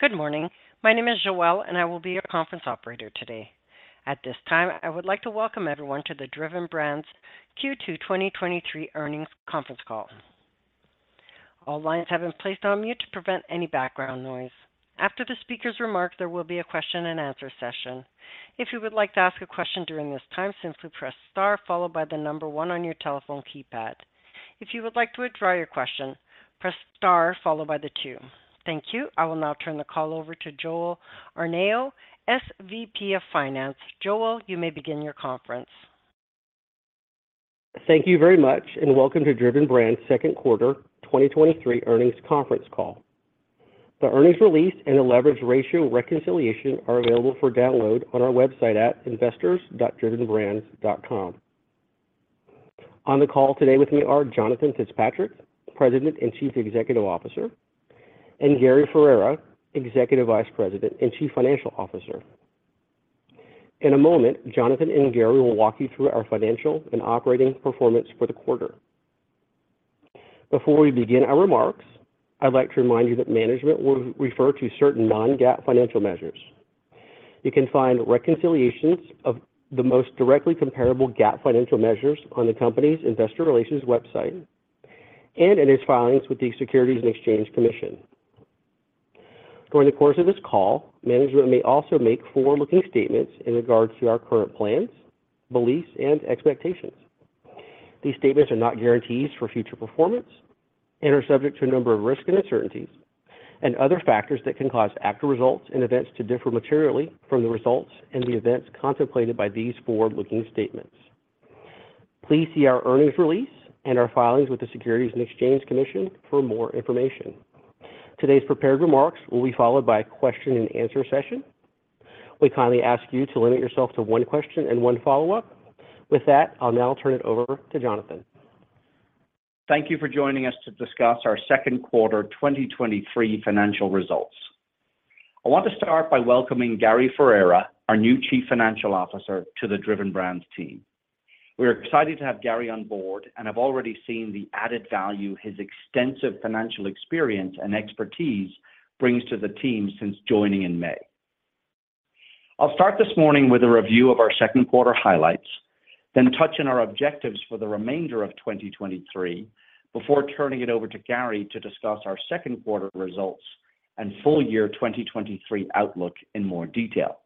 Good morning. My name is Joelle, and I will be your conference operator today. At this time, I would like to welcome everyone to the Driven Brands Q2 2023 Earnings Conference Call. All lines have been placed on mute to prevent any background noise. After the speaker's remarks, there will be a question and answer session. If you would like to ask a question during this time, simply press star followed by the number one on your telephone keypad. If you would like to withdraw your question, press star followed by the two. Thank you. I will now turn the call over to Joel Arnao, SVP of Finance. Joel, you may begin your conference. Thank you very much, and welcome to Driven Brands' second quarter 2023 earnings conference call. The earnings release and the leverage ratio reconciliation are available for download on our website at investors.drivenbrands.com. On the call today with me are Jonathan Fitzpatrick, President and Chief Executive Officer, and Gary Ferrera, Executive Vice President and Chief Financial Officer. In a moment, Jonathan and Gary will walk you through our financial and operating performance for the quarter. Before we begin our remarks, I'd like to remind you that management will refer to certain non-GAAP financial measures. You can find reconciliations of the most directly comparable GAAP financial measures on the company's investor relations website and in its filings with the Securities and Exchange Commission. During the course of this call, management may also make forward-looking statements in regards to our current plans, beliefs, and expectations. These statements are not guarantees for future performance and are subject to a number of risks and uncertainties and other factors that can cause actual results and events to differ materially from the results and the events contemplated by these forward-looking statements. Please see our earnings release and our filings with the Securities and Exchange Commission for more information. Today's prepared remarks will be followed by a question and answer session. We kindly ask you to limit yourself to one question and one follow-up. With that, I'll now turn it over to Jonathan. Thank you for joining us to discuss our second quarter 2023 financial results. I want to start by welcoming Gary Ferrera, our new Chief Financial Officer, to the Driven Brands team. We are excited to have Gary on board and have already seen the added value his extensive financial experience and expertise brings to the team since joining in May. I'll start this morning with a review of our second quarter highlights, then touch on our objectives for the remainder of 2023 before turning it over to Gary to discuss our second quarter results and full year 2023 outlook in more detail.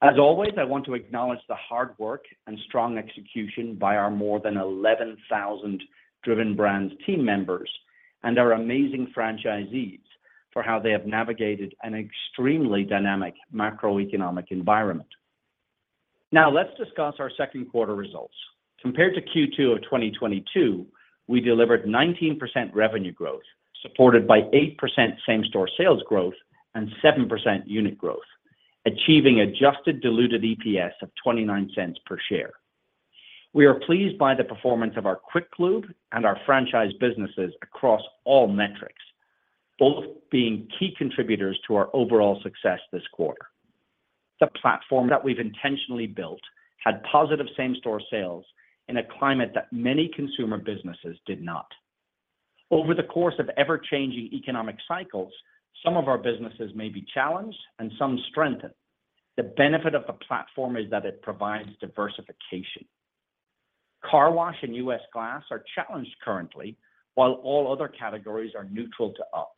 As always, I want to acknowledge the hard work and strong execution by our more than 11,000 Driven Brands team members and our amazing franchisees for how they have navigated an extremely dynamic macroeconomic environment. Now, let's discuss our second quarter results. Compared to Q2 of 2022, we delivered 19% revenue growth, supported by 8% same-store sales growth and 7% unit growth, achieving adjusted Diluted EPS of $0.29 per share. We are pleased by the performance of our Quick Lube and our franchise businesses across all metrics, both being key contributors to our overall success this quarter. The platform that we've intentionally built had positive same-store sales in a climate that many consumer businesses did not. Over the course of ever-changing economic cycles, some of our businesses may be challenged and some strengthened. The benefit of the platform is that it provides diversification. Car Wash and U.S. Glass are challenged currently, while all other categories are neutral to up.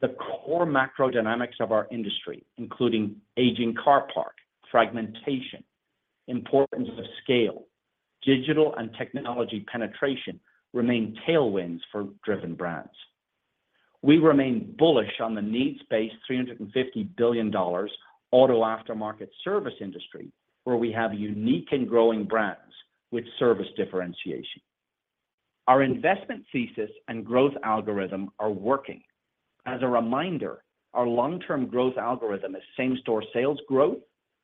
The core macro dynamics of our industry, including aging car park, fragmentation, importance of scale, digital and technology penetration, remain tailwinds for Driven Brands. We remain bullish on the needs-based $350 billion auto aftermarket service industry, where we have unique and growing brands with service differentiation. Our investment thesis and growth algorithm are working. As a reminder, our long-term growth algorithm is same-store sales growth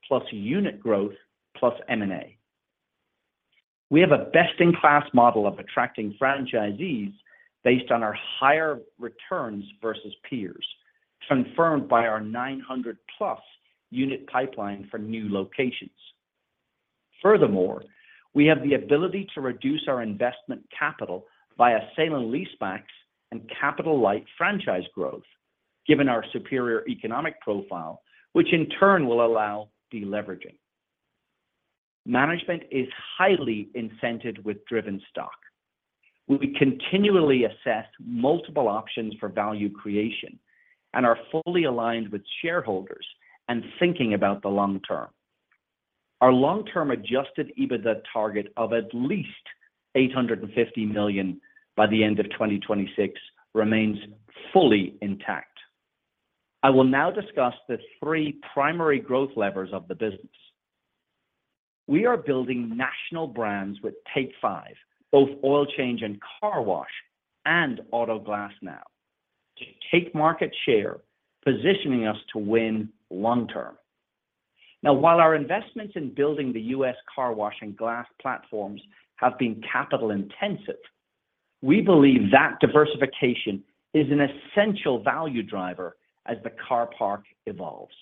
plus unit growth plus M&A. We have a best-in-class model of attracting franchisees based on our higher returns versus peers, confirmed by our 900+ unit pipeline for new locations. We have the ability to reduce our investment capital via sale and leasebacks and capital-light franchise growth, given our superior economic profile, which in turn will allow deleveraging. Management is highly incented with Driven stock. We continually assess multiple options for value creation and are fully aligned with shareholders and thinking about the long term. Our long-term adjusted EBITDA target of at least $850 million by the end of 2026 remains fully intact. I will now discuss the three primary growth levers of the business. We are building national brands with Take 5, both oil change and car wash, and Auto Glass Now to take market share, positioning us to win long term. While our investments in building the U.S. car wash and glass platforms have been capital intensive, we believe that diversification is an essential value driver as the car park evolves.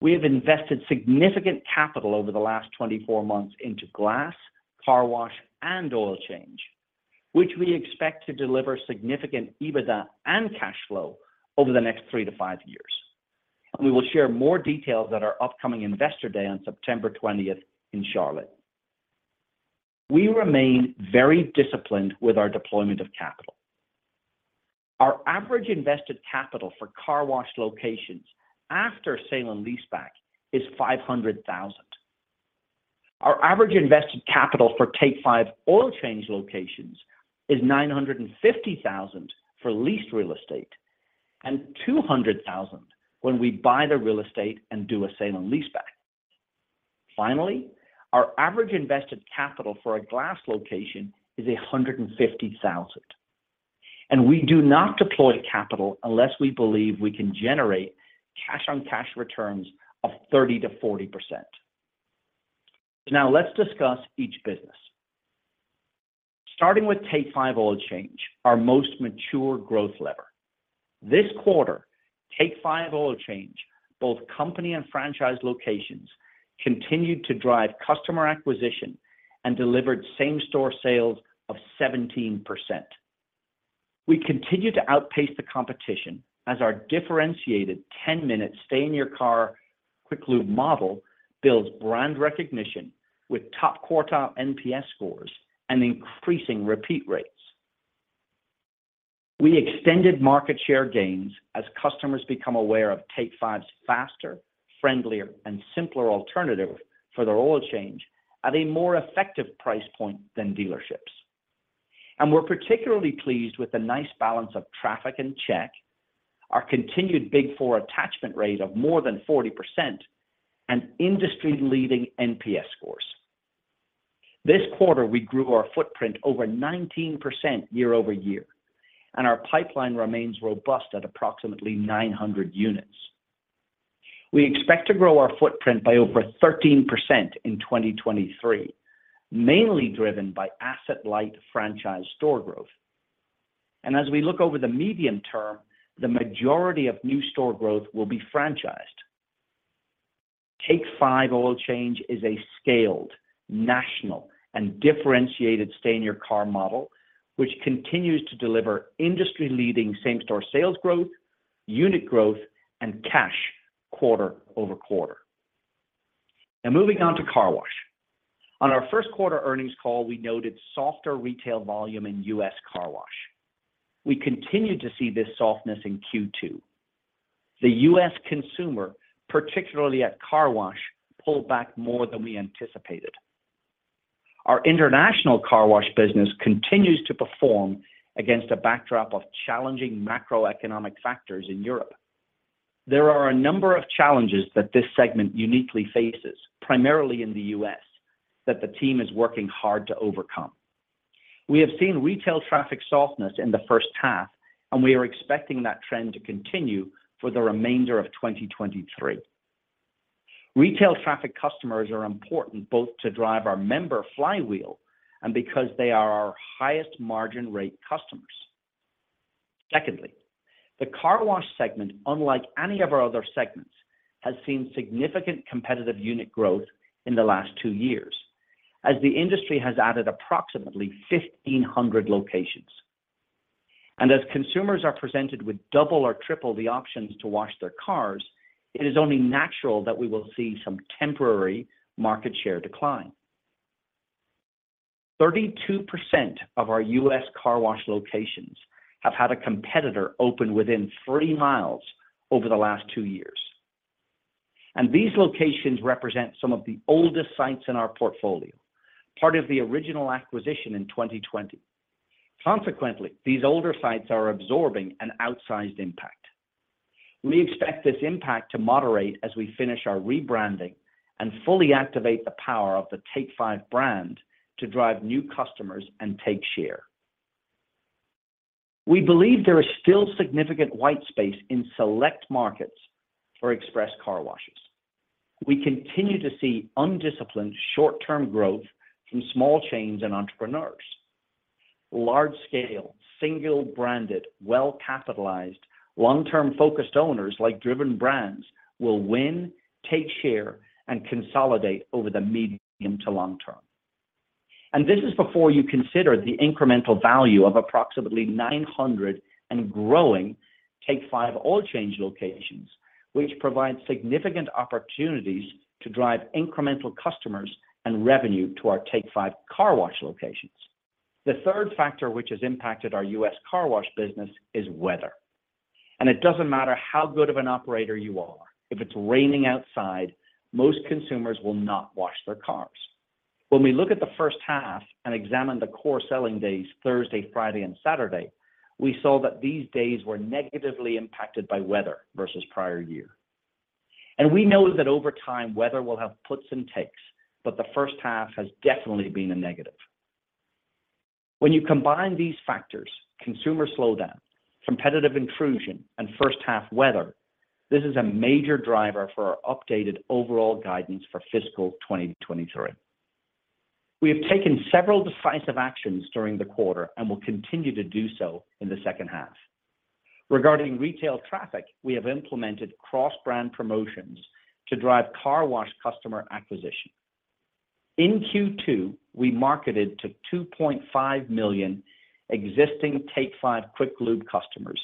We have invested significant capital over the last 24 months into glass, car wash, and oil change, which we expect to deliver significant EBITDA and cash flow over the next three-five years. We will share more details at our upcoming Investor Day on September 20th in Charlotte. We remain very disciplined with our deployment of capital. Our average invested capital for car wash locations after sale and leaseback is $500,000. Our average invested capital for Take 5 Oil Change locations is $950,000 for leased real estate, and $200,000 when we buy the real estate and do a sale and leaseback. Finally, our average invested capital for a glass location is $150,000, and we do not deploy capital unless we believe we can generate cash on cash returns of 30%-40%. Now, let's discuss each business. Starting with Take 5 Oil Change, our most mature growth lever. This quarter, Take 5 Oil Change, both company and franchise locations, continued to drive customer acquisition and delivered same-store sales of 17%. We continue to outpace the competition as our differentiated 10-minute stay-in-your-car Quick Lube model builds brand recognition with top quartile NPS scores and increasing repeat rates. We extended market share gains as customers become aware of Take 5's faster, friendlier, and simpler alternative for their oil change at a more effective price point than dealerships. We're particularly pleased with the nice balance of traffic and check, our continued Big Four attachment rate of more than 40%, and industry-leading NPS scores. This quarter, we grew our footprint over 19% year-over-year, and our pipeline remains robust at approximately 900 units. We expect to grow our footprint by over 13% in 2023, mainly driven by asset-light franchise store growth. As we look over the medium term, the majority of new store growth will be franchised. Take 5 Oil Change is a scaled, national, and differentiated stay-in-your-car model, which continues to deliver industry-leading same-store sales growth, unit growth, and cash quarter-over-quarter. Moving on to car wash. On our first quarter earnings call, we noted softer retail volume in U.S. car wash. We continued to see this softness in Q2. The U.S. consumer, particularly at Car Wash, pulled back more than we anticipated. Our international Car Wash business continues to perform against a backdrop of challenging macroeconomic factors in Europe. There are a number of challenges that this segment uniquely faces, primarily in the U.S., that the team is working hard to overcome. We have seen retail traffic softness in the first half. We are expecting that trend to continue for the remainder of 2023. Retail traffic customers are important both to drive our member flywheel and because they are our highest margin rate customers. Secondly, the Car Wash segment, unlike any of our other segments, has seen significant competitive unit growth in the last two years, as the industry has added approximately 1,500 locations. As consumers are presented with double or triple the options to wash their cars, it is only natural that we will see some temporary market share decline. 32% of our U.S. car wash locations have had a competitor open within 3 miles over the last two years, and these locations represent some of the oldest sites in our portfolio, part of the original acquisition in 2020. Consequently, these older sites are absorbing an outsized impact. We expect this impact to moderate as we finish our rebranding and fully activate the power of the five brand to drive new customers and take share. We believe there is still significant white space in select markets for express car washes. We continue to see undisciplined, short-term growth from small chains and entrepreneurs. Large-scale, single-branded, well-capitalized, long-term focused owners like Driven Brands will win, take share, and consolidate over the medium to long term. This is before you consider the incremental value of approximately 900 and growing Take 5 Oil Change locations, which provide significant opportunities to drive incremental customers and revenue to our Take 5 Car Wash locations. The third factor, which has impacted our U.S. car wash business, is weather. It doesn't matter how good of an operator you are, if it's raining outside, most consumers will not wash their cars. When we look at the first half and examine the core selling days, Thursday, Friday, and Saturday, we saw that these days were negatively impacted by weather versus prior year. We know that over time, weather will have puts and takes, but the first half has definitely been a negative. When you combine these factors, consumer slowdown, competitive intrusion, and first half weather, this is a major driver for our updated overall guidance for fiscal 2023. We have taken several decisive actions during the quarter and will continue to do so in the second half. Regarding retail traffic, we have implemented cross-brand promotions to drive car wash customer acquisition. In Q2, we marketed to 2.5 million existing Take 5 Quick Lube customers,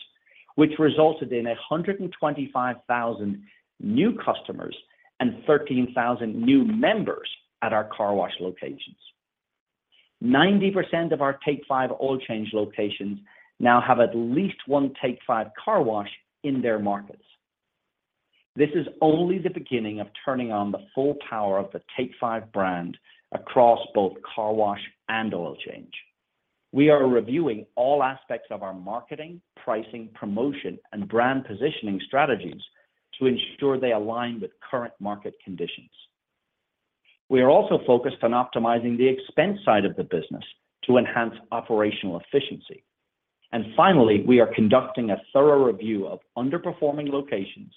which resulted in 125,000 new customers and 13,000 new members at our car wash locations. 90% of our Take 5 Oil Change locations now have at least one Take 5 Car Wash in their markets. This is only the beginning of turning on the full power of the Take 5 brand across both car wash and oil change. We are reviewing all aspects of our marketing, pricing, promotion, and brand positioning strategies to ensure they align with current market conditions. We are also focused on optimizing the expense side of the business to enhance operational efficiency. Finally, we are conducting a thorough review of underperforming locations,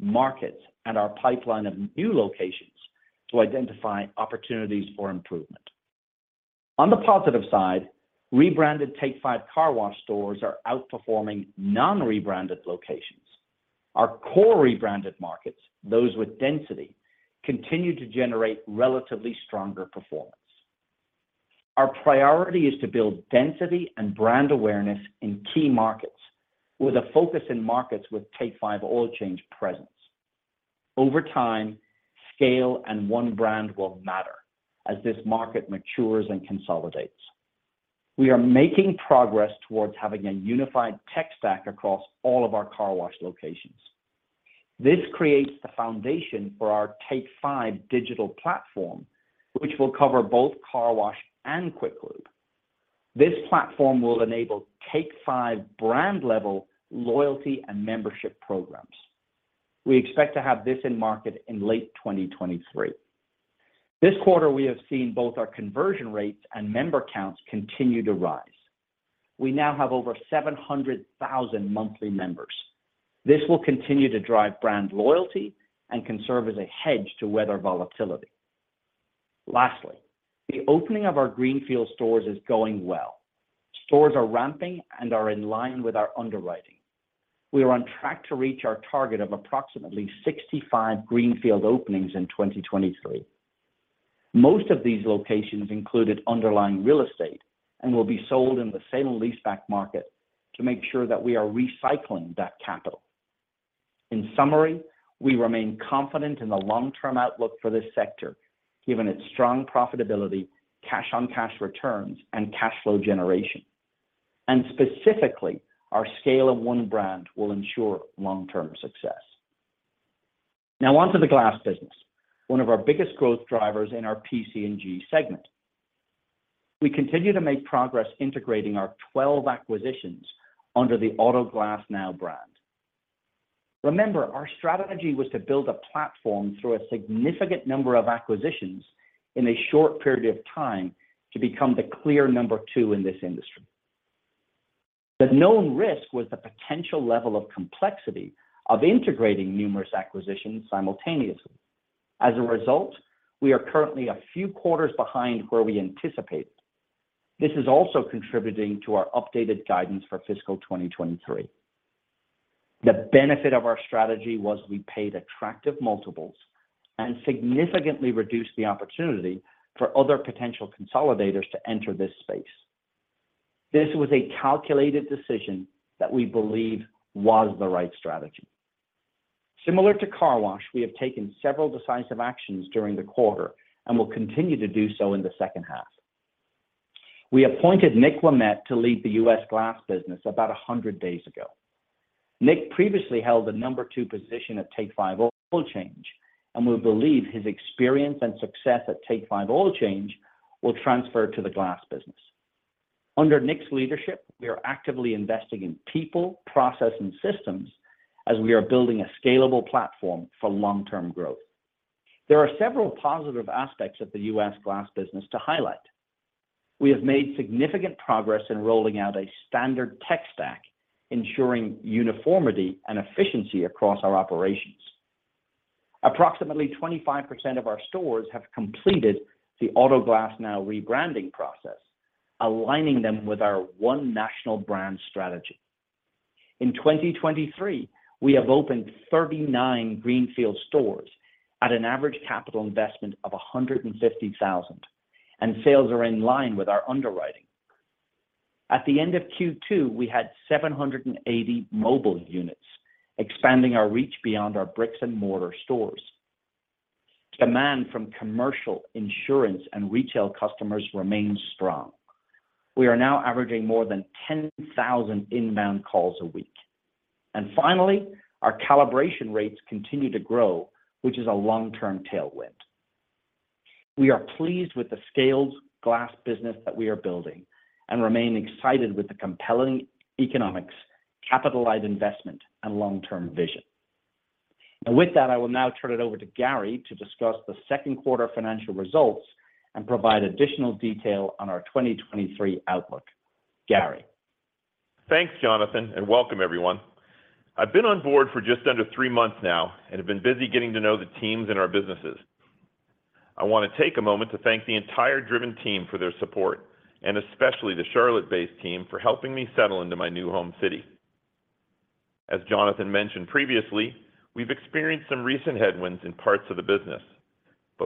markets, and our pipeline of new locations to identify opportunities for improvement. On the positive side, rebranded Take 5 Car Wash stores are outperforming non-rebranded locations. Our core rebranded markets, those with density, continue to generate relatively stronger performance. Our priority is to build density and brand awareness in key markets, with a focus in markets with Take 5 Oil Change presence. Over time, scale and one brand will matter as this market matures and consolidates. We are making progress towards having a unified tech stack across all of our car wash locations. This creates the foundation for our Take 5 digital platform, which will cover both car wash and quick lube. This platform will enable Take 5 brand level loyalty and membership programs. We expect to have this in market in late 2023. This quarter, we have seen both our conversion rates and member counts continue to rise. We now have over 700,000 monthly members. This will continue to drive brand loyalty and can serve as a hedge to weather volatility. Lastly, the opening of our greenfield stores is going well. Stores are ramping and are in line with our underwriting. We are on track to reach our target of approximately 65 greenfield openings in 2023. Most of these locations included underlying real estate and will be sold in the sale and leaseback market to make sure that we are recycling that capital. In summary, we remain confident in the long-term outlook for this sector, given its strong profitability, cash-on-cash returns, and cash flow generation. Specifically, our scale of one brand will ensure long-term success. Now on to the glass business, one of our biggest growth drivers in our PC&G segment. We continue to make progress integrating our 12 acquisitions under the Auto Glass Now brand. Remember, our strategy was to build a platform through a significant number of acquisitions in a short period of time to become the clear number two in this industry. The known risk was the potential level of complexity of integrating numerous acquisitions simultaneously. As a result, we are currently a few quarters behind where we anticipated. This is also contributing to our updated guidance for fiscal 2023. The benefit of our strategy was we paid attractive multiples and significantly reduced the opportunity for other potential consolidators to enter this space. This was a calculated decision that we believe was the right strategy. Similar to car wash, we have taken several decisive actions during the quarter and will continue to do so in the second half. We appointed Nick Ouimet to lead the U.S. Glass business about 100 days ago. Nick previously held the number two position at Take 5 Oil Change, and we believe his experience and success at Take 5 Oil Change will transfer to the glass business. Under Nick's leadership, we are actively investing in people, process, and systems as we are building a scalable platform for long-term growth. There are several positive aspects of the U.S. Glass business to highlight. We have made significant progress in rolling out a standard tech stack, ensuring uniformity and efficiency across our operations. Approximately 25% of our stores have completed the Auto Glass Now rebranding process, aligning them with our one national brand strategy. In 2023, we have opened 39 greenfield stores at an average capital investment of $150,000, and sales are in line with our underwriting. At the end of Q2, we had 780 mobile units, expanding our reach beyond our bricks-and-mortar stores. Demand from commercial, insurance, and retail customers remains strong. We are now averaging more than 10,000 inbound calls a week. Finally, our calibration rates continue to grow, which is a long-term tailwind. We are pleased with the scaled glass business that we are building and remain excited with the compelling economics, capitalized investment, and long-term vision. With that, I will now turn it over to Gary to discuss the second quarter financial results and provide additional detail on our 2023 outlook. Gary? Thanks, Jonathan, and welcome everyone. I've been on board for just under three months now and have been busy getting to know the teams and our businesses. I want to take a moment to thank the entire Driven team for their support, and especially the Charlotte-based team for helping me settle into my new home city. As Jonathan mentioned previously, we've experienced some recent headwinds in parts of the business.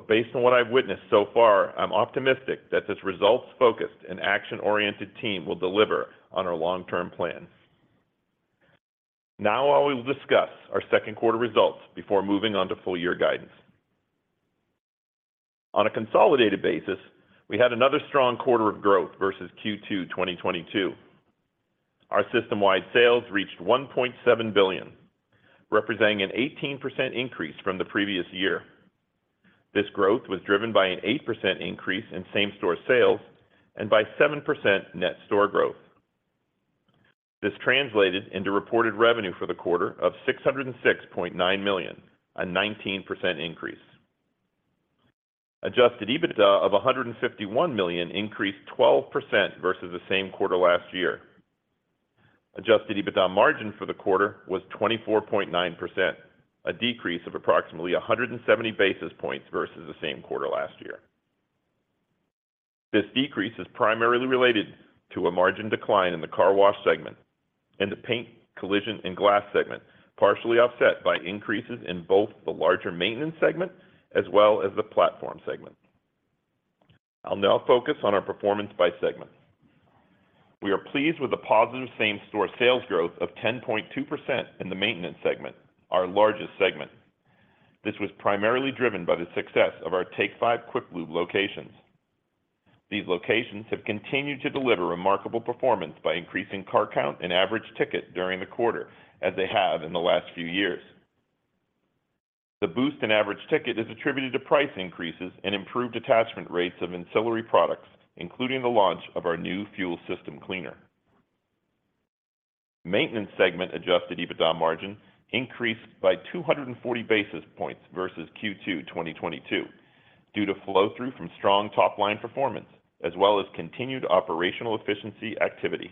Based on what I've witnessed so far, I'm optimistic that this results-focused and action-oriented team will deliver on our long-term plan. Now, I will discuss our second quarter results before moving on to full year guidance. On a consolidated basis, we had another strong quarter of growth versus Q2 2022. Our system-wide sales reached $1.7 billion, representing an 18% increase from the previous year. This growth was driven by an 8% increase in same-store sales and by 7% net store growth. This translated into reported revenue for the quarter of $606.9 million, a 19% increase. Adjusted EBITDA of $151 million increased 12% versus the same quarter last year. Adjusted EBITDA margin for the quarter was 24.9%, a decrease of approximately 170 basis points versus the same quarter last year. This decrease is primarily related to a margin decline in the Car Wash segment and the Paint, Collision & Glass segment, partially offset by increases in both the larger Maintenance segment as well as the Platform segment. I'll now focus on our performance by segment. We are pleased with the positive same-store sales growth of 10.2% in the Maintenance segment, our largest segment. This was primarily driven by the success of our Take 5 quick lube locations. These locations have continued to deliver remarkable performance by increasing car count and average ticket during the quarter, as they have in the last few years. The boost in average ticket is attributed to price increases and improved attachment rates of ancillary products, including the launch of our new fuel system cleaner. Maintenance segment adjusted EBITDA margin increased by 240 basis points versus Q2 2022, due to flow-through from strong top-line performance, as well as continued operational efficiency activity.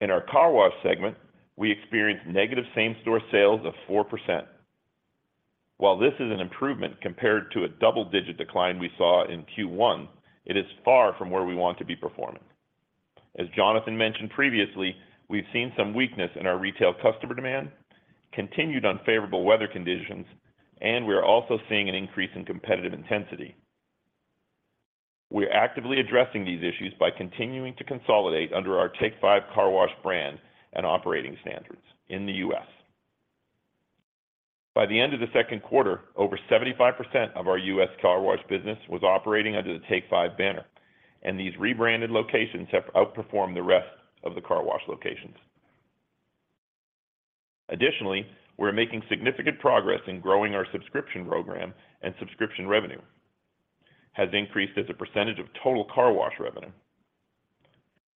In our Car Wash segment, we experienced negative same-store sales of 4%. While this is an improvement compared to a double-digit decline we saw in Q1, it is far from where we want to be performing. As Jonathan mentioned previously, we've seen some weakness in our retail customer demand, continued unfavorable weather conditions. We are also seeing an increase in competitive intensity. We are actively addressing these issues by continuing to consolidate under our Take 5 Car Wash brand and operating standards in the U.S. By the end of the second quarter, over 75% of our U.S. car wash business was operating under the Take 5 banner. These rebranded locations have outperformed the rest of the car wash locations. Additionally, we're making significant progress in growing our subscription program. Subscription revenue has increased as a percentage of total car wash revenue.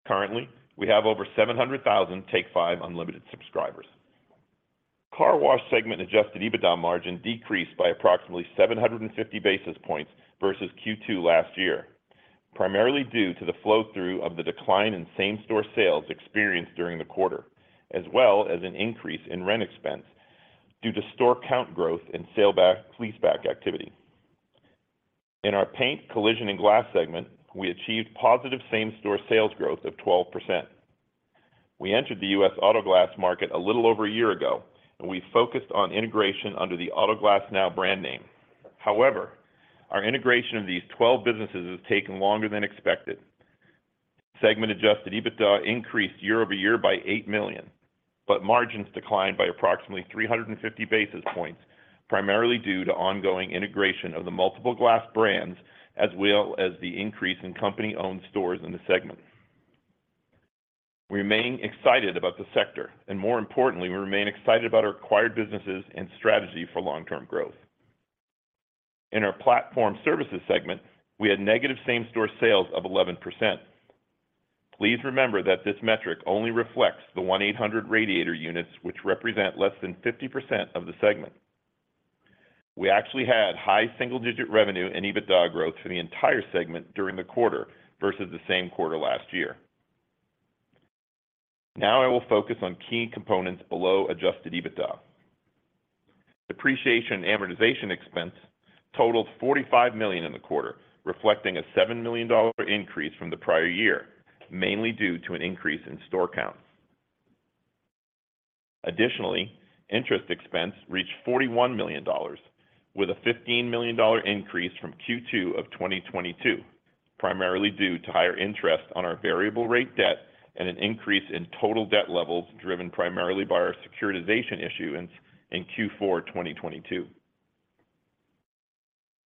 Currently, we have over 700,000 Take 5 Unlimited subscribers. Car Wash segment adjusted EBITDA margin decreased by approximately 750 basis points versus Q2 last year, primarily due to the flow-through of the decline in same-store sales experienced during the quarter, as well as an increase in rent expense due to store count growth and sale leaseback activity. In our Paint, Collision & Glass segment, we achieved positive same-store sales growth of 12%. We entered the U.S. auto glass market a little over a year ago, and we focused on integration under the Auto Glass Now brand name. However, our integration of these 12 businesses has taken longer than expected. Segment adjusted EBITDA increased year-over-year by $8 million, but margins declined by approximately 350 basis points, primarily due to ongoing integration of the multiple glass brands as well as the increase in company-owned stores in the segment. We remain excited about the sector, more importantly, we remain excited about our acquired businesses and strategy for long-term growth. In our Platform Services segment, we had negative same-store sales of 11%. Please remember that this metric only reflects the 1-800-Radiator units, which represent less than 50% of the segment. We actually had high single-digit revenue and EBITDA growth for the entire segment during the quarter versus the same quarter last year. Now I will focus on key components below adjusted EBITDA. Depreciation and amortization expense totaled $45 million in the quarter, reflecting a $7 million increase from the prior year, mainly due to an increase in store count. Additionally, interest expense reached $41 million, with a $15 million increase from Q2 2022, primarily due to higher interest on our variable rate debt and an increase in total debt levels, driven primarily by our securitization issuance in Q4 2022.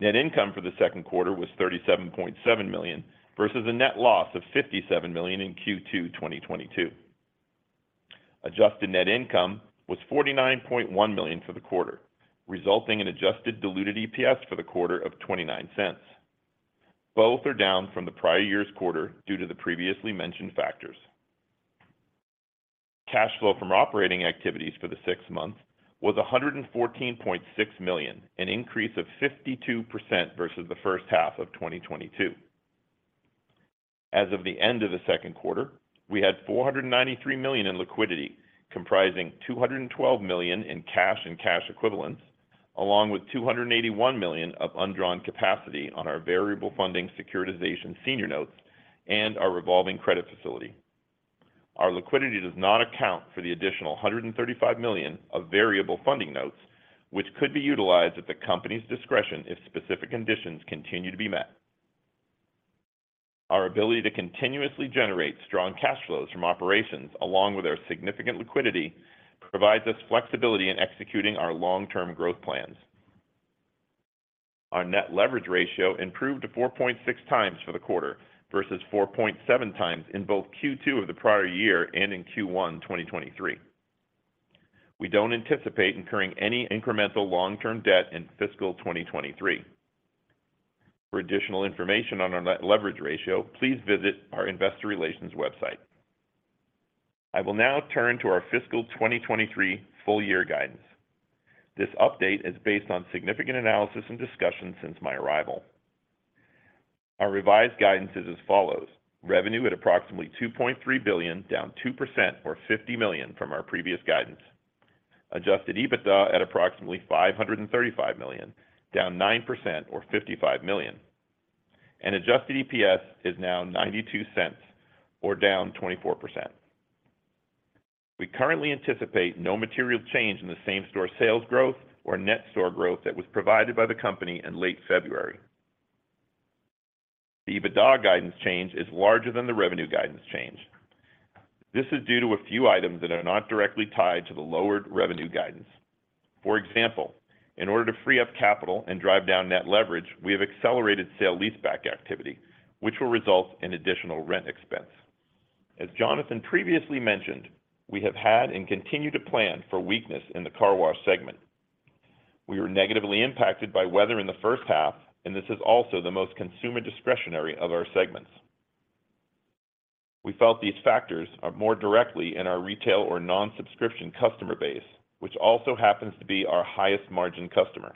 Net income for the second quarter was $37.7 million, versus a net loss of $57 million in Q2 2022. Adjusted net income was $49.1 million for the quarter, resulting in adjusted Diluted EPS for the quarter of $0.29. Both are down from the prior year's quarter due to the previously mentioned factors. Cash flow from operating activities for the six months was $114.6 million, an increase of 52% versus the first half of 2022. As of the end of the second quarter, we had $493 million in liquidity, comprising $212 million in cash and cash equivalents, along with $281 million of undrawn capacity on our Variable Funding Securitization Senior Notes and our revolving credit facility. Our liquidity does not account for the additional $135 million of variable funding notes, which could be utilized at the company's discretion if specific conditions continue to be met. Our ability to continuously generate strong cash flows from operations, along with our significant liquidity, provides us flexibility in executing our long-term growth plans. Our net leverage ratio improved to 4.6x for the quarter versus 4.7x in both Q2 of the prior year and in Q1 2023. We don't anticipate incurring any incremental long-term debt in fiscal 2023. For additional information on our net leverage ratio, please visit our investor relations website. I will now turn to our fiscal 2023 full year guidance. This update is based on significant analysis and discussion since my arrival. Our revised guidance is as follows: revenue at approximately $2.3 billion, down 2% or $50 million from our previous guidance. Adjusted EBITDA at approximately $535 million, down 9% or $55 million. Adjusted EPS is now $0.92 or down 24%. We currently anticipate no material change in the same-store sales growth or net store growth that was provided by the company in late February. The EBITDA guidance change is larger than the revenue guidance change. This is due to a few items that are not directly tied to the lowered revenue guidance. For example, in order to free up capital and drive down net leverage, we have accelerated sale leaseback activity, which will result in additional rent expense. As Jonathan previously mentioned, we have had and continue to plan for weakness in the Car Wash segment. We were negatively impacted by weather in the first half. This is also the most consumer discretionary of our segments. We felt these factors are more directly in our retail or non-subscription customer base, which also happens to be our highest margin customer.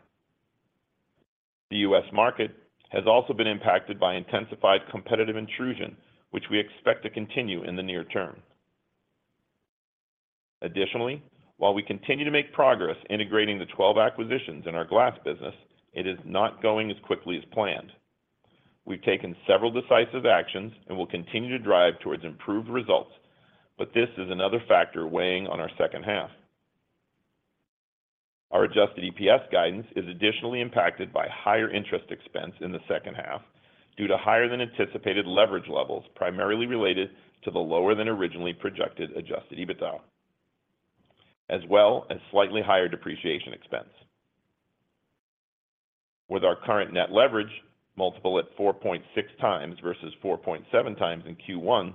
The U.S. market has also been impacted by intensified competitive intrusion, which we expect to continue in the near term. Additionally, while we continue to make progress integrating the 12 acquisitions in our glass business, it is not going as quickly as planned. We've taken several decisive actions and will continue to drive towards improved results, this is another factor weighing on our second half. Our adjusted EPS guidance is additionally impacted by higher interest expense in the second half due to higher than anticipated leverage levels, primarily related to the lower than originally projected adjusted EBITDA, as well as slightly higher depreciation expense. With our current net leverage multiple at 4.6x versus 4.7x in Q1,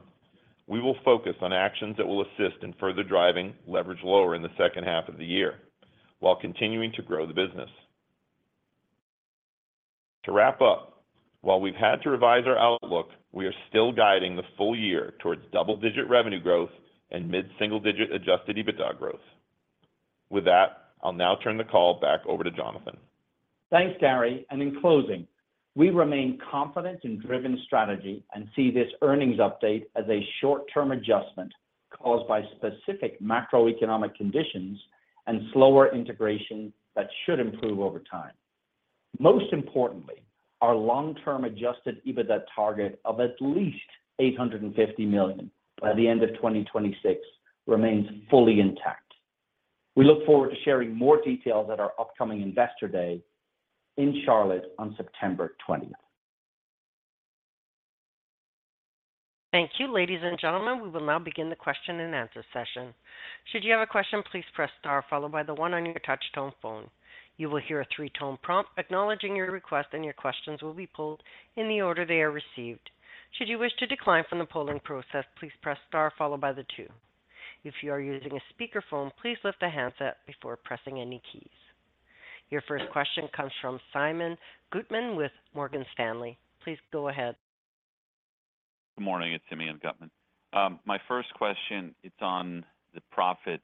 we will focus on actions that will assist in further driving leverage lower in the second half of the year, while continuing to grow the business. To wrap up, while we've had to revise our outlook, we are still guiding the full year towards double-digit revenue growth and mid-single digit adjusted EBITDA growth. With that, I'll now turn the call back over to Jonathan. Thanks, Gary. In closing, we remain confident in Driven strategy and see this earnings update as a short-term adjustment caused by specific macroeconomic conditions and slower integration that should improve over time. Most importantly, our long-term adjusted EBITDA target of at least $850 million by the end of 2026 remains fully intact. We look forward to sharing more details at our upcoming Investor Day in Charlotte on September 20th. Thank you, ladies and gentlemen. We will now begin the question and answer session. Should you have a question, please press star followed by the 1 on your touch tone phone. You will hear a three-tone prompt acknowledging your request, and your questions will be pulled in the order they are received. Should you wish to decline from the polling process, please press star followed by the 2. If you are using a speakerphone, please lift the handset before pressing any keys. Your first question comes from Simeon Gutman with Morgan Stanley. Please go ahead. Good morning, it's Simeon Gutman. My first question, it's on the profit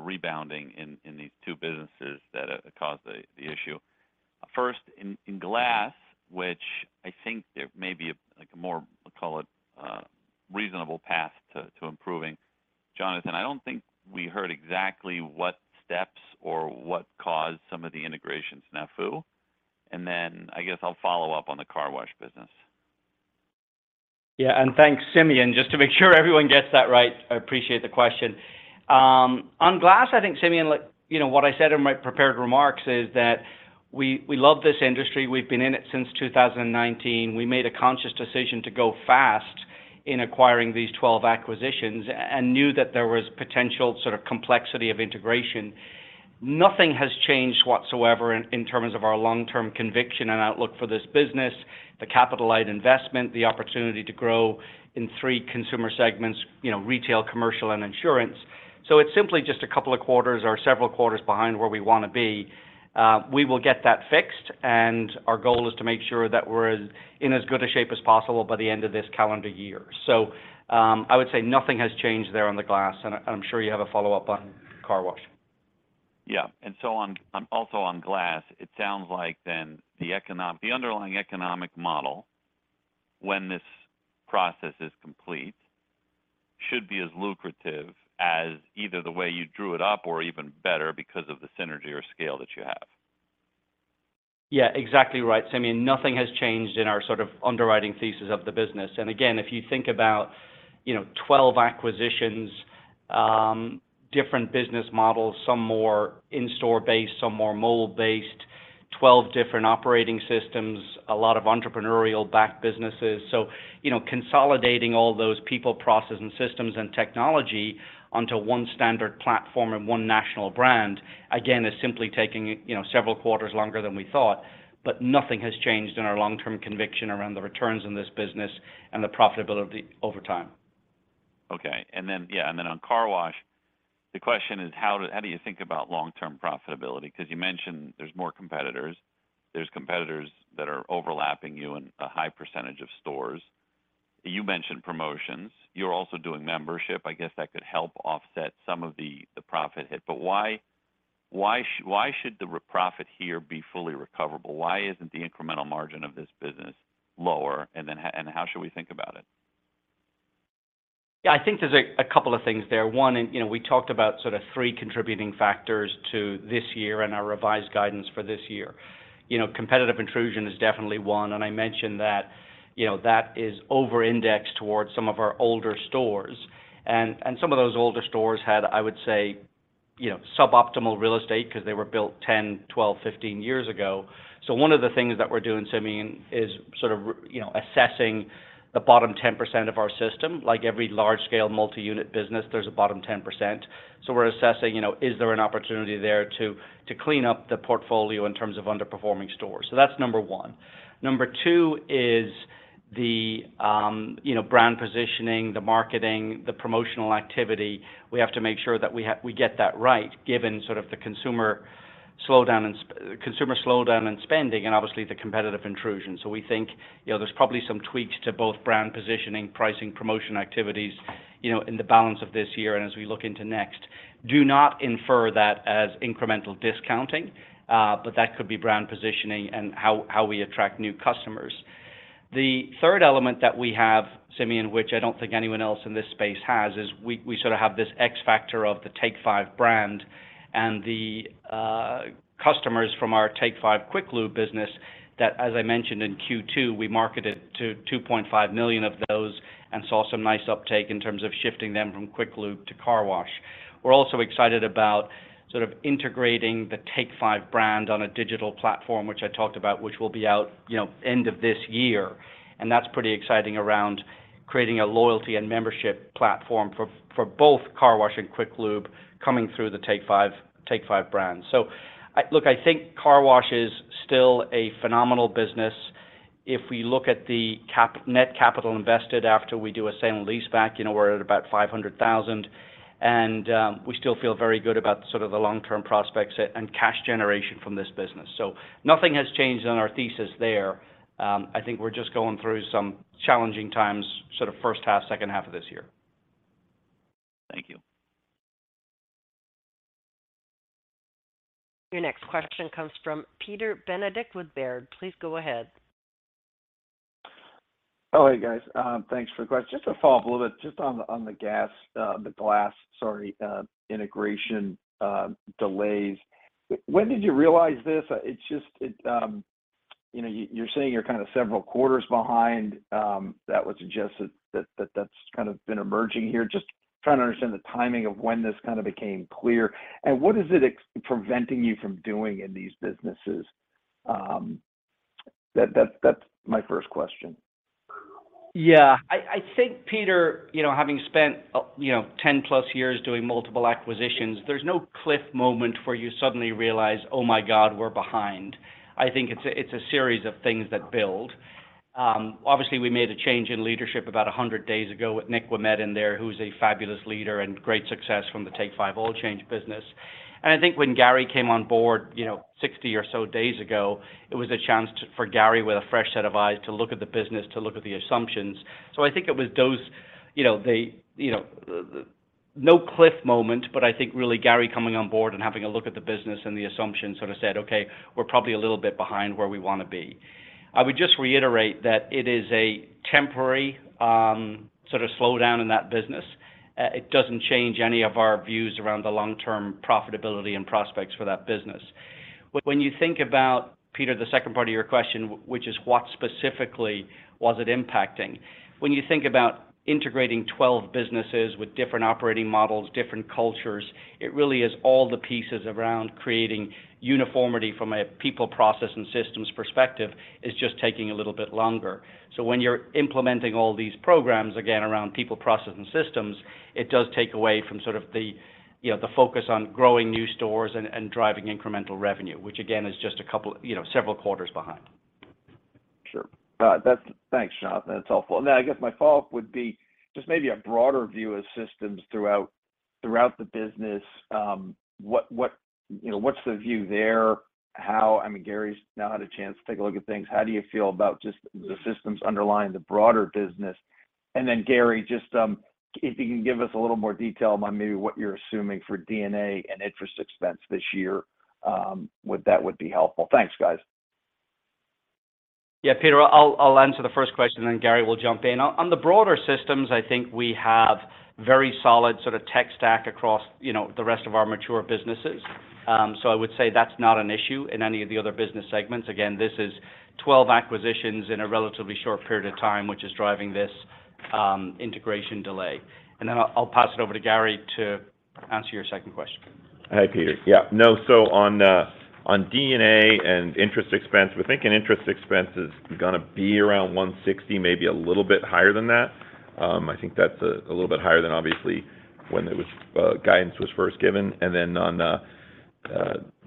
rebounding in these two businesses that caused the issue. First, in glass, which I think there may be a more, call it, reasonable path to improving. Jonathan, I don't think we heard exactly what steps or what caused some of the integration snafu. Then I guess I'll follow up on the car wash business. Yeah, thanks, Simeon. Just to make sure everyone gets that right. I appreciate the question. On glass, I think Simeon, look, you know, what I said in my prepared remarks is that we, we love this industry. We've been in it since 2019. We made a conscious decision to go fast in acquiring these 12 acquisitions and knew that there was potential sort of complexity of integration. Nothing has changed whatsoever in terms of our long-term conviction and outlook for this business, the capital light investment, the opportunity to grow in three consumer segments: you know, retail, commercial, and insurance. So it's simply just a couple of quarters or several quarters behind where we wanna be. We will get that fixed, and our goal is to make sure that we're in as good a shape as possible by the end of this calendar year. I would say nothing has changed there on the glass, and I'm sure you have a follow-up on car wash. Yeah, and so on, also on glass, it sounds like then the economic, the underlying economic model, when this process is complete, should be as lucrative as either the way you drew it up or even better because of the synergy or scale that you have. Yeah, exactly right. Simeon, nothing has changed in our sort of underwriting thesis of the business. Again, if you think about, you know, 12 acquisitions, different business models, some more in-store based, some more mobile-based, 12 different operating systems, a lot of entrepreneurial-backed businesses. You know, consolidating all those people, processes, and systems and technology onto one standard platform and one national brand, again, is simply taking, you know, several quarters longer than we thought. Nothing has changed in our long-term conviction around the returns in this business and the profitability over time. Okay. On car wash, the question is: How do you think about long-term profitability? You mentioned there's more competitors. There's competitors that are overlapping you in a high percentage of stores. You mentioned promotions. You're also doing membership, I guess that could help offset some of the profit hit. Why should the profit here be fully recoverable? Why isn't the incremental margin of this business lower, and how should we think about it? Yeah, I think there's a, a couple of things there. One, you know, we talked about sort of three contributing factors to this year and our revised guidance for this year. You know, competitive intrusion is definitely one, and I mentioned that, you know, that is over indexed towards some of our older stores. Some of those older stores had, I would say, you know, suboptimal real estate because they were built 10, 12, 15 years ago. One of the things that we're doing, Simeon, is sort of you know, assessing the bottom 10% of our system. Like every large-scale multi-unit business, there's a bottom 10%. We're assessing, you know, is there an opportunity there to, to clean up the portfolio in terms of underperforming stores? That's number one. Number two is the, you know, brand positioning, the marketing, the promotional activity. We have to make sure that we get that right, given sort of the consumer slowdown and consumer slowdown and spending, and obviously the competitive intrusion. We think, you know, there's probably some tweaks to both brand positioning, pricing, promotion activities, you know, in the balance of this year and as we look into next. Do not infer that as incremental discounting, but that could be brand positioning and how, how we attract new customers. The third element that we have, Simeon, which I don't think anyone else in this space has, is we sort of have this X factor of the Take 5 brand and the customers from our Take 5 quick lube business that, as I mentioned in Q2, we marketed to $2.5 million of those and saw some nice uptake in terms of shifting them from quick lube to car wash. We're also excited about sort of integrating the Take 5 brand on a digital platform, which I talked about, which will be out, you know, end of this year. That's pretty exciting around creating a loyalty and membership platform for both car wash and quick lube coming through the Take 5 brand. Look, I think car wash is still a phenomenal business. If we look at the cap- net capital invested after we do a sale and leaseback, you know, we're at about $500,000, and we still feel very good about sort of the long-term prospects and cash generation from this business. Nothing has changed on our thesis there. I think we're just going through some challenging times, sort of first half, second half of this year. Thank you. Your next question comes from Peter Benedict with Baird. Please go ahead. Oh, hey, guys, thanks for the question. Just to follow up a little bit, just on the, on the glass, sorry, integration, delays. When did you realize this? It's just-- It, you know, you're saying you're kind of several quarters behind. That would suggest that, that, that's kind of been emerging here. Just trying to understand the timing of when this kind of became clear, and what is it ex- preventing you from doing in these businesses? That's my first question. Yeah, I think, Peter, you know, having spent, you know, 10+ years doing multiple acquisitions, there's no cliff moment where you suddenly realize: Oh my God, we're behind. I think it's a, it's a series of things that build. Obviously, we made a change in leadership about 100 days ago with Nick Ouimet in there, who's a fabulous leader and great success from the Take 5 Oil Change business. And I think when Gary came on board, you know, 60 or so days ago, it was a chance for Gary, with a fresh set of eyes, to look at the business, to look at the assumptions. So I think it was those, you know, they, you know... No cliff moment, I think really Gary coming on board and having a look at the business and the assumptions, sort of said: "Okay, we're probably a little bit behind where we want to be." I would just reiterate that it is a temporary, sort of slowdown in that business. It doesn't change any of our views around the long-term profitability and prospects for that business. When you think about, Peter, the second part of your question, which is what specifically was it impacting? When you think about integrating 12 businesses with different operating models, different cultures, it really is all the pieces around creating uniformity from a people, process, and systems perspective, is just taking a little bit longer. When you're implementing all these programs, again, around people, process, and systems, it does take away from sort of the, you know, the focus on growing new stores and, and driving incremental revenue, which again, is just a couple, you know, several quarters behind. Sure. Thanks, Jonathan. That's helpful. Now, I guess my follow-up would be just maybe a broader view of systems throughout, throughout the business. What, you know, what's the view there? How, I mean, Gary's now had a chance to take a look at things. How do you feel about just the systems underlying the broader business? Gary, just, if you can give us a little more detail on maybe what you're assuming for D&A and interest expense this year, would that would be helpful. Thanks, guys. Yeah, Peter, I'll answer the first question, then Gary will jump in. On the broader systems, I think we have very solid sort of tech stack across, you know, the rest of our mature businesses. I would say that's not an issue in any of the other business segments. Again, this is 12 acquisitions in a relatively short period of time, which is driving this integration delay. I'll pass it over to Gary to answer your second question. Hi, Peter. Yeah. On D&A and interest expense, we're thinking interest expense is gonna be around $160 million, maybe a little bit higher than that. I think that's a little bit higher than obviously when guidance was first given. Then on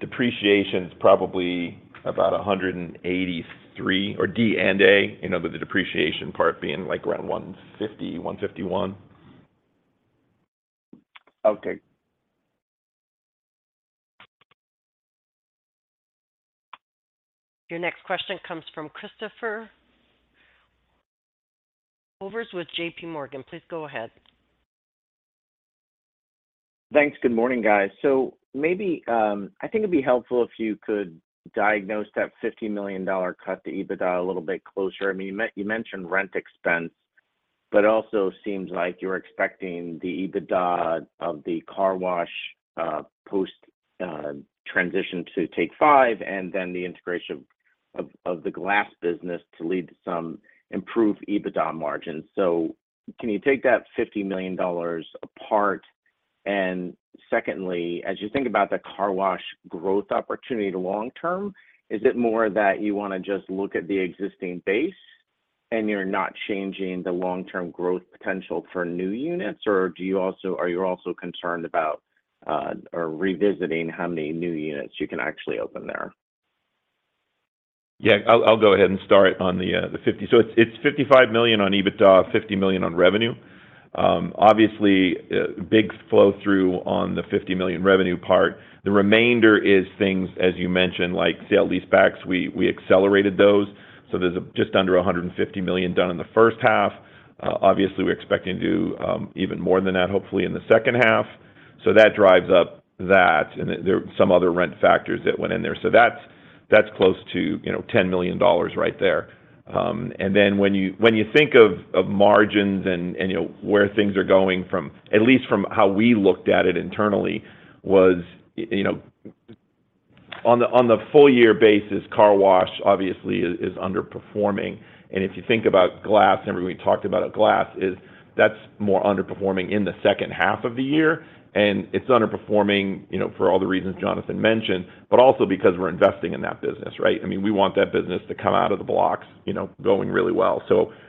depreciation, it's probably about $183 million or D&A, you know, with the depreciation part being, like, around $150 million, $151 million. Okay. Your next question comes from Christopher Horvers with J.P. Morgan. Please go ahead. Thanks. Good morning, guys. Maybe, I think it'd be helpful if you could diagnose that $50 million cut to EBITDA a little bit closer. I mean, you mentioned rent expense, but also seems like you're expecting the EBITDA of the Car Wash, post transition to Take 5, and then the integration of the glass business to lead to some improved EBITDA margins. Can you take that $50 million apart? And secondly, as you think about the Car Wash growth opportunity to long term, is it more that you wanna just look at the existing base, and you're not changing the long-term growth potential for new units? Or are you also concerned about, or revisiting how many new units you can actually open there? Yeah, I'll go ahead and start on the, the 50-- It's $55 million on EBITDA, $50 million on revenue. Obviously, a big flow-through on the $50 million revenue part. The remainder is things, as you mentioned, like sale-leasebacks. We, we accelerated those, so there's just under $150 million done in the first half. Obviously, we're expecting to do, even more than that, hopefully in the second half. That drives up that, and then there are some other rent factors that went in there. That's, that's close to, you know, $10 million right there. And then when you, when you think of, of margins and, and, you know, where things are going from. At least from how we looked at it internally, was, you know, on the full year basis, Car Wash obviously is underperforming. If you think about Glass, and we talked about Glass, that's more underperforming in the second half of the year, and it's underperforming, you know, for all the reasons Jonathan mentioned, but also because we're investing in that business, right? I mean, we want that business to come out of the blocks, you know, going really well.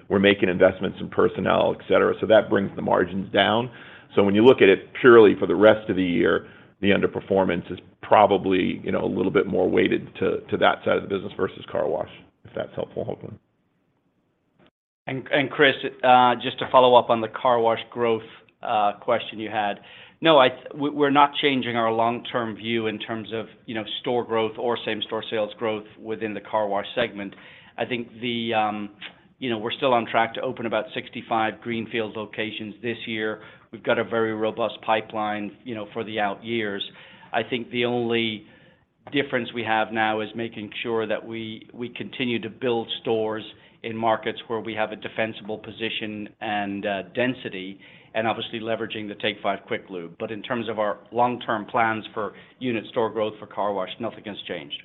We're making investments in personnel, et cetera, so that brings the margins down. When you look at it purely for the rest of the year, the underperformance is probably, you know, a little bit more weighted to that side of the business versus Car Wash, if that's helpful, hopefully. Chris, just to follow up on the Car Wash growth question you had. No, we're, we're not changing our long-term view in terms of, you know, store growth or same-store sales growth within the Car Wash segment. I think the, you know, we're still on track to open about 65 greenfield locations this year. We've got a very robust pipeline, you know, for the out years. I think the only difference we have now is making sure that we, we continue to build stores in markets where we have a defensible position and density, and obviously leveraging the Take 5 quick lube. In terms of our long-term plans for unit store growth for Car Wash, nothing has changed.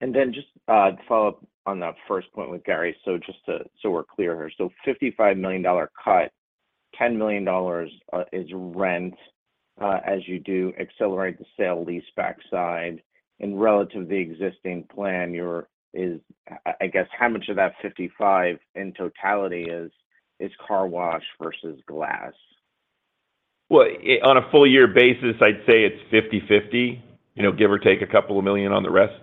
Then just to follow up on the first point with Gary, so just so we're clear here. So $55 million cut, $10 million is rent as you do accelerate the sale leaseback side. Relative to the existing plan, your is-- I guess, how much of that $55 million in totality is, is car wash versus glass? Well, on a full year basis, I'd say it's 50/50, you know, give or take $2 million on the rest.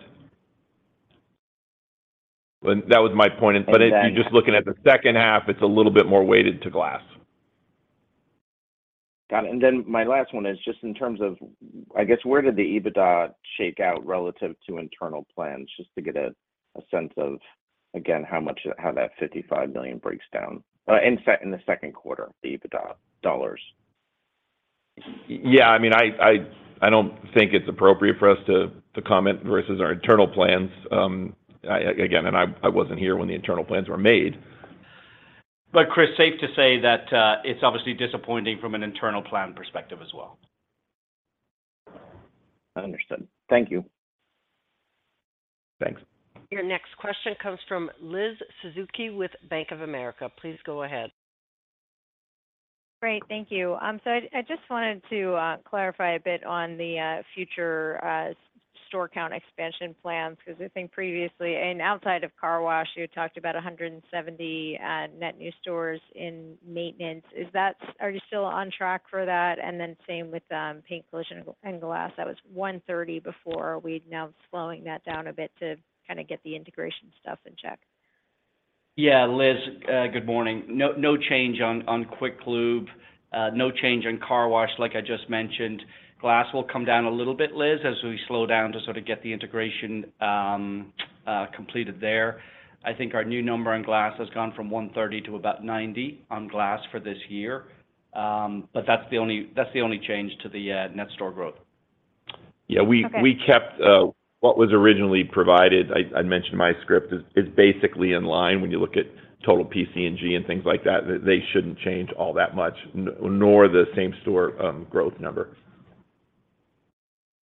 Well, that was my point. If you're just looking at the second half, it's a little bit more weighted to glass. Got it. Then my last one is just in terms of, I guess, where did the EBITDA shake out relative to internal plans? Just to get a sense of, again, how much, how that $55 million breaks down in the second quarter, the EBITDA dollars. Yeah, I mean, I don't think it's appropriate for us to, to comment versus our internal plans. again, I wasn't here when the internal plans were made. Chris, safe to say that, it's obviously disappointing from an internal plan perspective as well. Understood. Thank you. Thanks. Your next question comes from Liz Suzuki with Bank of America. Please go ahead. Great. Thank you. I just wanted to clarify a bit on the future store count expansion plans, because I think previously and outside of car wash, you had talked about 170 net new stores in Maintenance. Are you still on track for that? Then same with Paint, Collision & Glass. That was 130 before. Are we now slowing that down a bit to kinda get the integration stuff in check? Yeah, Liz, good morning. No, no change on, on Quick Lube, no change on Car Wash, like I just mentioned. Glass will come down a little bit, Liz, as we slow down to sort of get the integration, completed there. I think our new number on Glass has gone from 130 to about 90 on Glass for this year. That's the only, that's the only change to the net store growth. Yeah. Okay. We kept what was originally provided. I mentioned my script is basically in line when you look at total PC&G and things like that. They shouldn't change all that much, nor the same-store growth number.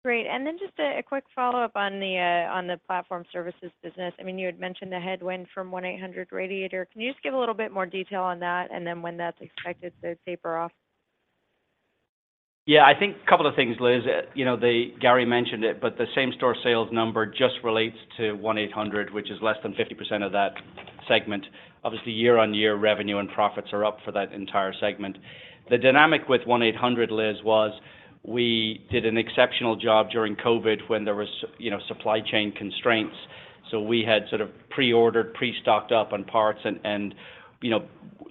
Great. Just a quick follow-up on the Platform Services business. I mean, you had mentioned the headwind from 1-800-Radiator. Can you just give a little bit more detail on that? When that's expected to taper off? Yeah, I think a couple of things, Liz. You know, Gary mentioned it. The same-store sales number just relates to 1-800, which is less than 50% of that segment. Obviously, year-on-year revenue and profits are up for that entire segment. The dynamic with 1-800, Liz, was we did an exceptional job during COVID when there was, you know, supply chain constraints. We had sort of preordered, pre-stocked up on parts and, and, you know,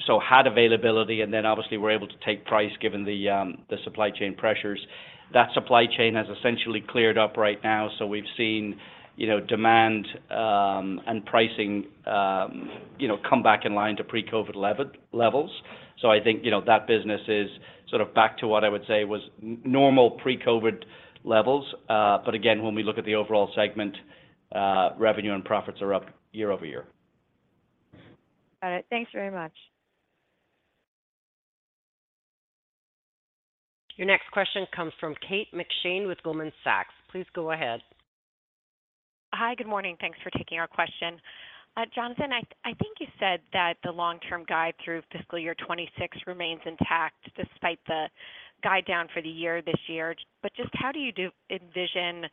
so had availability, and then obviously we're able to take price given the supply chain pressures. That supply chain has essentially cleared up right now. We've seen, you know, demand and pricing, you know, come back in line to pre-COVID levels. I think, you know, that business is sort of back to what I would say was normal pre-COVID levels. Again, when we look at the overall segment, revenue and profits are up year-over-year. Got it. Thanks very much. Your next question comes from Kate McShane with Goldman Sachs. Please go ahead. Hi, good morning. Thanks for taking our question. Jonathan, I think you said that the long-term guide through fiscal year 2026 remains intact despite the guide down for the year this year. Just how do you envision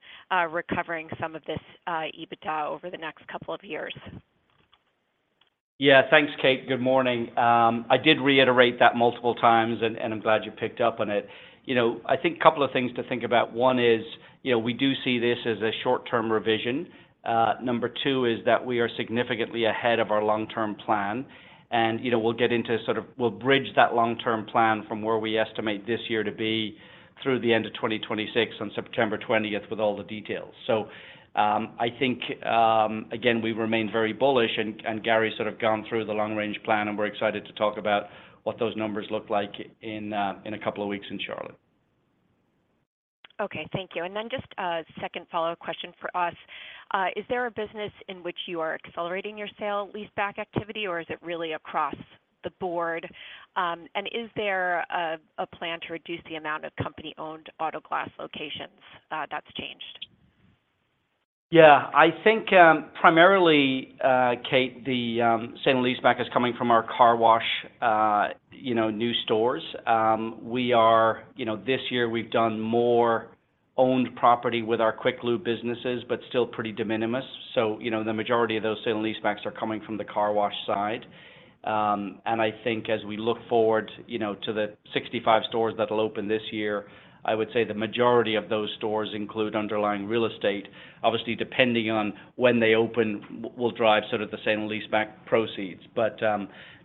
recovering some of this EBITDA over the next couple of years? Yeah, thanks, Kate. Good morning. I did reiterate that multiple times, and I'm glad you picked up on it. You know, I think a couple of things to think about. One is, you know, we do see this as a short-term revision. number two is that we are significantly ahead of our long-term plan, and, you know, we'll get into sort of we'll bridge that long-term plan from where we estimate this year to be through the end of 2026 on September 20th, with all the details. I think, again, we remain very bullish and Gary sort of gone through the long-range plan, and we're excited to talk about what those numbers look like in a couple of weeks in Charlotte. Okay, thank you. Then just a second follow-up question for us. Is there a business in which you are accelerating your sale leaseback activity, or is it really across the board? Is there a plan to reduce the amount of company-owned auto glass locations that's changed? Yeah, I think primarily, Kate, the sale and leaseback is coming from our car wash, you know, new stores. We are-- You know, this year we've done more owned property with our Quick Lube businesses, but still pretty de minimis. You know, the majority of those sale and leasebacks are coming from the car wash side. And I think as we look forward, you know, to the 65 stores that'll open this year, I would say the majority of those stores include underlying real estate. Obviously, depending on when they open, will drive sort of the sale and leaseback proceeds, but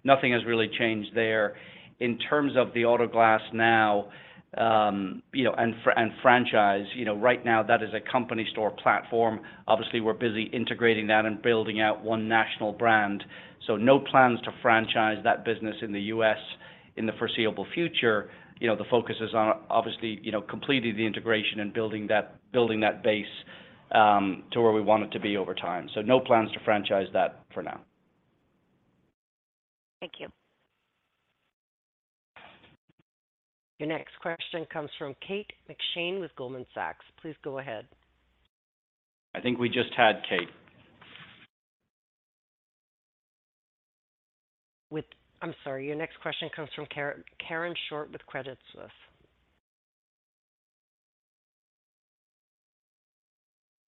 nothing has really changed there. In terms of the Auto Glass Now, you know, and franchise, you know, right now that is a company store platform. Obviously, we're busy integrating that and building out one national brand. No plans to franchise that business in the U.S. in the foreseeable future. You know, the focus is on obviously, you know, completing the integration and building that, building that base to where we want it to be over time. No plans to franchise that for now. Thank you. Your next question comes from Kate McShane with Goldman Sachs. Please go ahead. I think we just had Kate. I'm sorry. Your next question comes from Karen Short with Credit Suisse.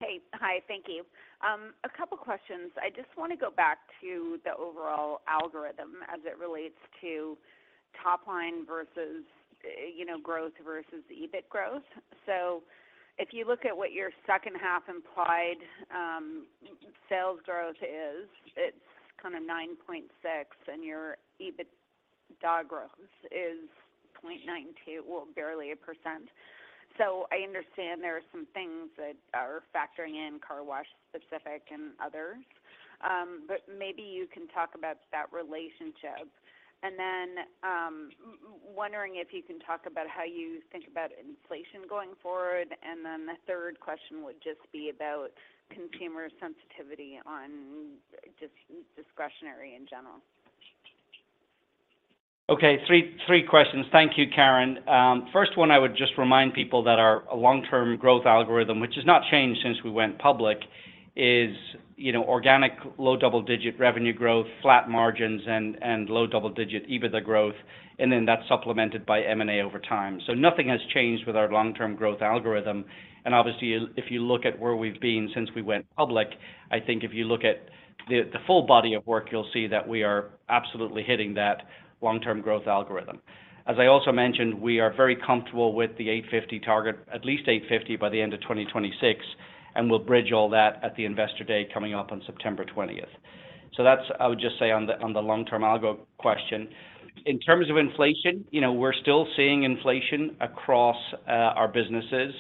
Hey. Hi, thank you. A couple questions. I just want to go back to the overall algorithm as it relates to top line versus, you know, growth versus EBIT growth. If you look at what your second half implied, sales growth is, it's kind of 9.6%, and your EBITDA growth is 0.92%, well, barely 1%. I understand there are some things that are factoring in car wash specific and others, but maybe you can talk about that relationship. Then, wondering if you can talk about how you think about inflation going forward. Then the third question would just be about consumer sensitivity on just discretionary in general. Okay, three questions. Thank you, Karen. First, I would just remind people that our long-term growth algorithm, which has not changed since we went public, is, you know, organic, low double-digit revenue growth, flat margins, and low double-digit EBITDA growth, and then that's supplemented by M&A over time. Nothing has changed with our long-term growth algorithm. Obviously, if you look at where we've been since we went public, I think if you look at the full body of work, you'll see that we are absolutely hitting that long-term growth algorithm. As I also mentioned, we are very comfortable with the $850 target, at least $850 by the end of 2026. We'll bridge all that at the Investor Day coming up on September 20th. That's, I would just say on the long-term algo question. In terms of inflation, you know, we're still seeing inflation across our businesses.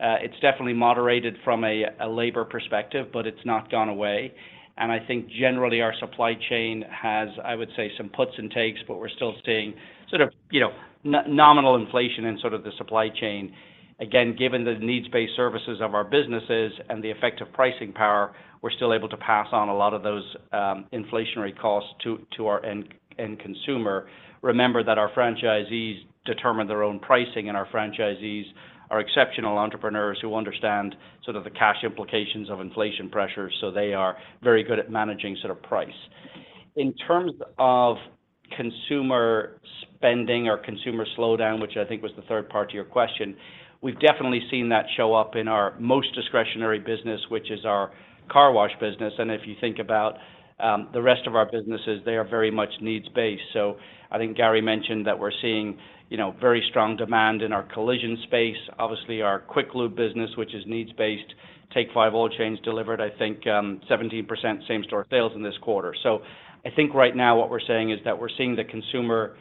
It's definitely moderated from a labor perspective, but it's not gone away. I think generally, our supply chain has, I would say, some puts and takes, but we're still seeing sort of, you know, nominal inflation in sort of the supply chain. Again, given the needs-based services of our businesses and the effect of pricing power, we're still able to pass on a lot of those inflationary costs to our end consumer. Remember that our franchisees determine their own pricing, and our franchisees are exceptional entrepreneurs who understand sort of the cash implications of inflation pressure, they are very good at managing sort of price. In terms of consumer spending or consumer slowdown, which I think was the third part to your question, we've definitely seen that show up in our most discretionary business, which is our car wash business. If you think about, the rest of our businesses, they are very much needs-based. I think Gary mentioned that we're seeing, you know, very strong demand in our collision space. Obviously, our Quick Lube business, which is needs-based, Take 5 Oil Change delivered, I think, 17% same-store sales in this quarter. I think right now what we're saying is that we're seeing the consumer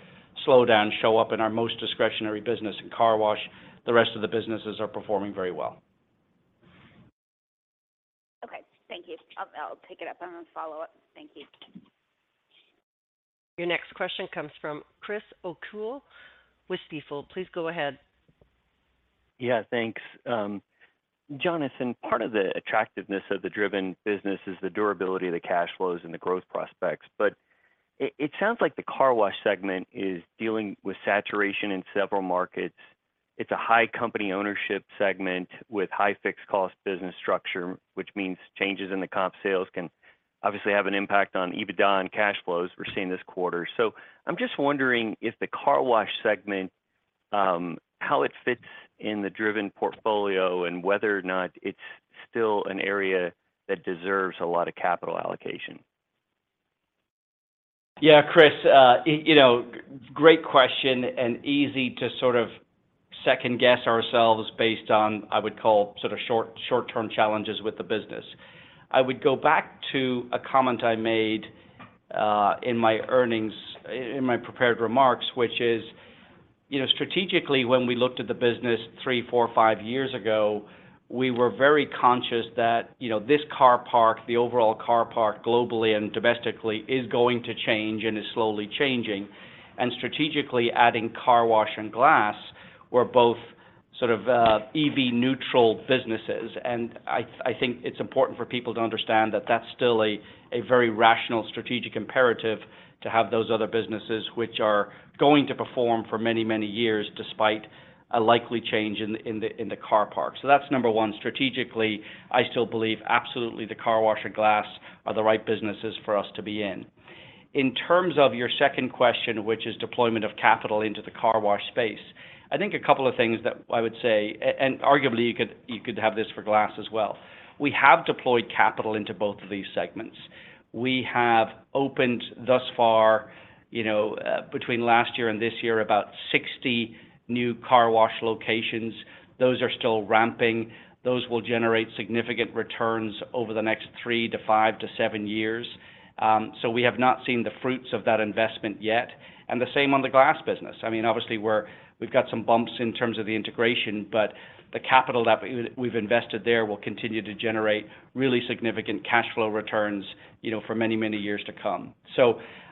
slowdown show up in our most discretionary business in car wash. The rest of the businesses are performing very well. Okay, thank you. I'll pick it up on a follow-up. Thank you. Your next question comes from Chris O'Cull with Stifel. Please go ahead. Yeah, thanks. Jonathan, part of the attractiveness of the Driven Brands business is the durability of the cash flows and the growth prospects, but it sounds like the Car Wash segment is dealing with saturation in several markets. It's a high company ownership segment with high fixed cost business structure, which means changes in the comp sales can obviously have an impact on EBITDA and cash flows we're seeing this quarter. I'm just wondering if the Car Wash segment, how it fits in the Driven Brands portfolio, and whether or not it's still an area that deserves a lot of capital allocation? Yeah, Chris, you know, great question, and easy to sort of second-guess ourselves based on, I would call, sort of short, short-term challenges with the business. I would go back to a comment I made in my earnings-- in my prepared remarks, which is: you know, strategically, when we looked at the business three, four, five years ago, we were very conscious that, you know, this car park, the overall car park, globally and domestically, is going to change and is slowly changing. Strategically adding car wash and glass were both sort of EV-neutral businesses. I think it's important for people to understand that that's still a very rational strategic imperative to have those other businesses which are going to perform for many, many years, despite a likely change in the car park. That's number one. Strategically, I still believe absolutely the car wash and glass are the right businesses for us to be in. In terms of your second question, which is deployment of capital into the car wash space, I think a couple of things that I would say, and arguably, you could, you could have this for glass as well. We have deployed capital into both of these segments. We have opened, thus far, you know, between last year and this year, about 60 new car wash locations. Those are still ramping. Those will generate significant returns over the next three to five to seven years. We have not seen the fruits of that investment yet, and the same on the glass business. I mean, obviously, we've got some bumps in terms of the integration, but the capital that we've invested there will continue to generate really significant cash flow returns, you know, for many, many years to come.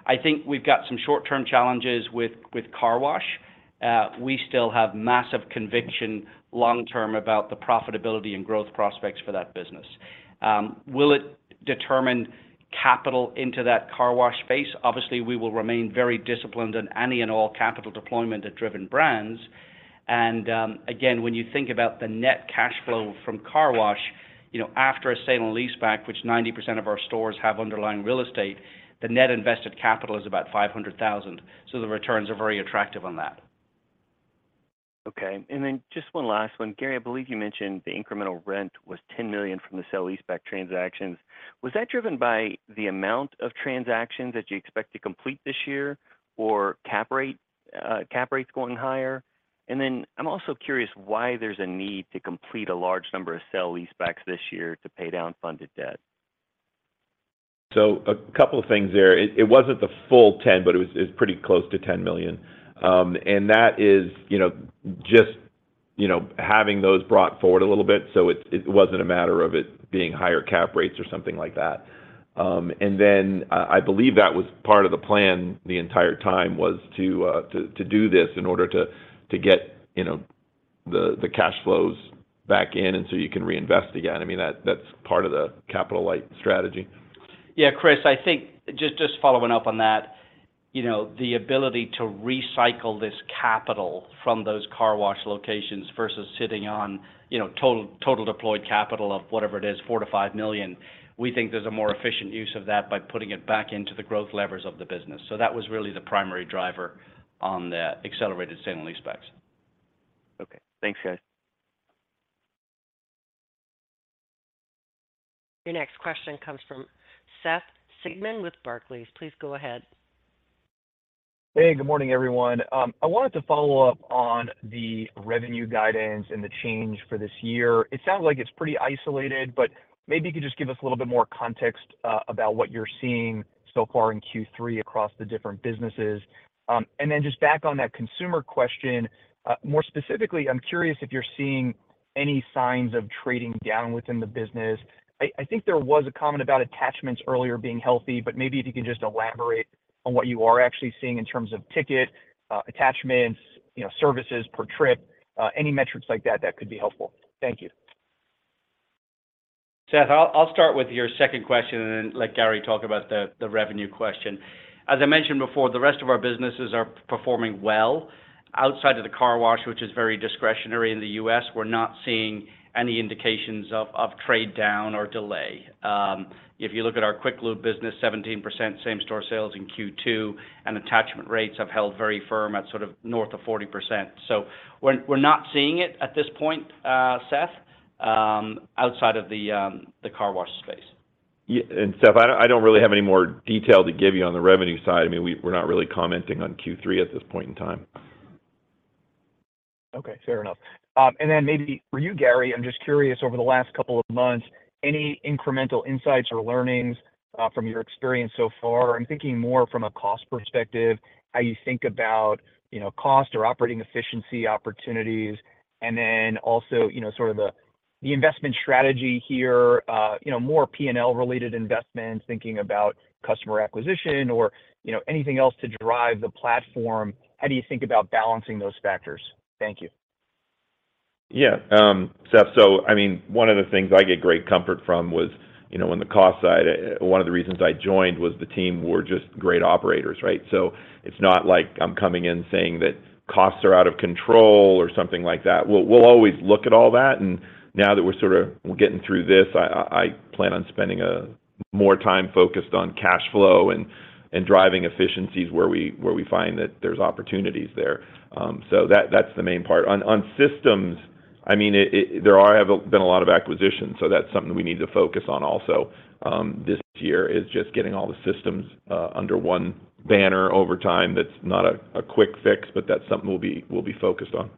I think we've got some short-term challenges with, with car wash. We still have massive conviction long term about the profitability and growth prospects for that business. Will it determine capital into that car wash space? Obviously, we will remain very disciplined in any and all capital deployment at Driven Brands. Again, when you think about the net cash flow from car wash, you know, after a sale and leaseback, which 90% of our stores have underlying real estate, the net invested capital is about $500,000. The returns are very attractive on that. Okay, just one last one. Gary, I believe you mentioned the incremental rent was $10 million from the sale-leaseback transactions. Was that driven by the amount of transactions that you expect to complete this year or cap rate, cap rates going higher? I'm also curious why there's a need to complete a large number of sale-leasebacks this year to pay down funded debt. A couple of things there. It wasn't the full $10 million, but it was, it was pretty close to $10 million. That is, you know, just, you know, having those brought forward a little bit, so it, it wasn't a matter of it being higher cap rates or something like that. Then, I believe that was part of the plan the entire time, was to, to do this in order to, to get, you know, the, the cash flows back in, and so you can reinvest again. I mean, that, that's part of the capital-light strategy. Yeah, Chris, I think just, just following up on that, you know, the ability to recycle this capital from those car wash locations versus sitting on, you know, total, total deployed capital of whatever it is, $4 million-$5 million, we think there's a more efficient use of that by putting it back into the growth levers of the business. That was really the primary driver on the accelerated sale and leasebacks. Okay. Thanks, guys. Your next question comes from Seth Sigman with Barclays. Please go ahead. Hey, good morning, everyone. I wanted to follow up on the revenue guidance and the change for this year. It sounds like it's pretty isolated, but maybe you could just give us a little bit more context about what you're seeing so far in Q3 across the different businesses. Then just back on that consumer question, more specifically, I'm curious if you're seeing any signs of trading down within the business. I think there was a comment about attachments earlier being healthy, but maybe if you can just elaborate on what you are actually seeing in terms of ticket, attachments, you know, services per trip, any metrics like that, that could be helpful. Thank you. Seth, I'll start with your second question and then let Gary talk about the, the revenue question. As I mentioned before, the rest of our businesses are performing well outside of the car wash, which is very discretionary. In the US, we're not seeing any indications of, of trade down or delay. If you look at our Quick Lube business, 17% same-store sales in Q2, and attachment rates have held very firm at sort of north of 40%. We're, we're not seeing it at this point, Seth, outside of the car wash space. Yeah, Seth, I don't really have any more detail to give you on the revenue side. I mean, we, we're not really commenting on Q3 at this point in time. Okay, fair enough. Then maybe for you, Gary, I'm just curious, over the last couple of months, any incremental insights or learnings from your experience so far? I'm thinking more from a cost perspective, how you think about, you know, cost or operating efficiency opportunities. Then also, you know, sort of the, the investment strategy here, you know, more P&L-related investments, thinking about customer acquisition or, you know, anything else to drive the platform. How do you think about balancing those factors? Thank you. Yeah. Seth, I mean, one of the things I get great comfort from was, you know, on the cost side, one of the reasons I joined was the team were just great operators, right? It's not like I'm coming in saying that costs are out of control or something like that. We'll always look at all that, and now that we're sort of, we're getting through this, I plan on spending more time focused on cash flow and, and driving efficiencies where we, where we find that there's opportunities there. That, that's the main part. On, on systems, I mean, there are, have been a lot of acquisitions, so that's something we need to focus on also, this year, is just getting all the systems under one banner over time. That's not a quick fix, but that's something we'll be focused on.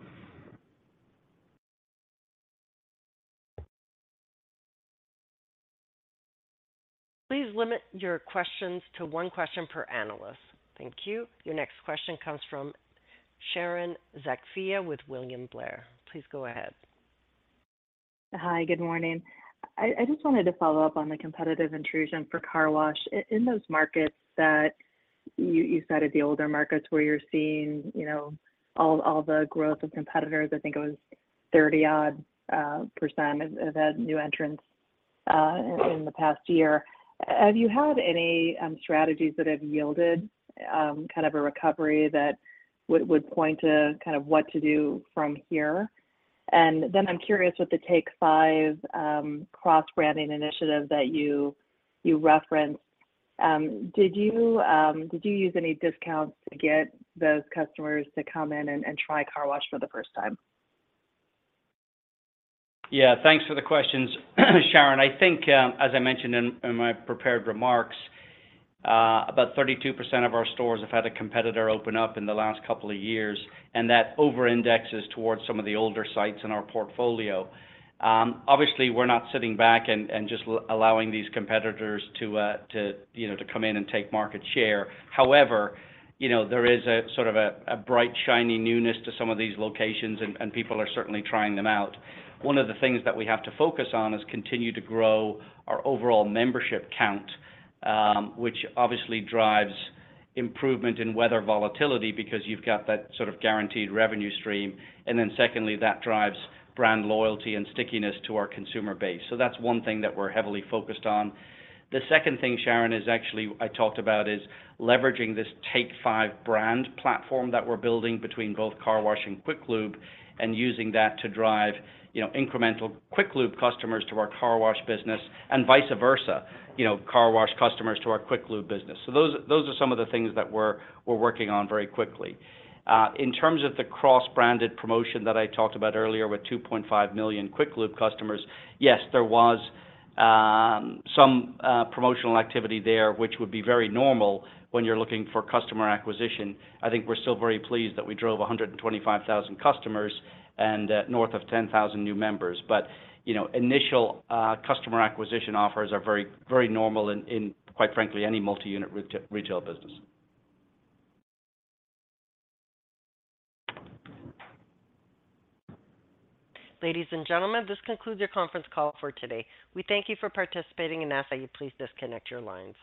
Please limit your questions to one question per analyst. Thank you. Your next question comes from Sharon Zackfia with William Blair. Please go ahead. Hi, good morning. I just wanted to follow up on the competitive intrusion for car wash. In those markets that you said are the older markets, where you're seeing, you know, all the growth of competitors, I think it was 30%-odd of that new entrants in the past year. Have you had any strategies that have yielded kind of a recovery that would point to kind of what to do from here? Then I'm curious, with the Take 5 cross-branding initiative that you referenced, did you use any discounts to get those customers to come in and try car wash for the first time? Yeah, thanks for the questions, Sharon. I think, as I mentioned in my prepared remarks, about 32% of our stores have had a competitor open up in the last couple of years, and that over indexes towards some of the older sites in our portfolio. Obviously, we're not sitting back and, and just allowing these competitors to you know, to come in and take market share. However, you know, there is a sort of a, a bright, shiny newness to some of these locations, and, and people are certainly trying them out. One of the things that we have to focus on is continue to grow our overall membership count, which obviously drives improvement in weather volatility, because you've got that sort of guaranteed revenue stream. Secondly, that drives brand loyalty and stickiness to our consumer base. That's one thing that we're heavily focused on. The second thing, Sharon, is actually, I talked about, is leveraging this Take 5 brand platform that we're building between both car wash and Quick Lube, and using that to drive, you know, incremental Quick Lube customers to our car wash business, and vice versa, you know, car wash customers to our Quick Lube business. Those, those are some of the things that we're, we're working on very quickly. In terms of the cross-branded promotion that I talked about earlier with 2.5 million Quick Lube customers, yes, there was some promotional activity there, which would be very normal when you're looking for customer acquisition. I think we're still very pleased that we drove 125,000 customers and north of 10,000 new members. You know, initial, customer acquisition offers are very, very normal in, in, quite frankly, any multi-unit retail business. Ladies and gentlemen, this concludes your conference call for today. We thank you for participating and ask that you please disconnect your lines.